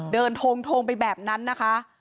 โทงไปแบบนั้นนะคะ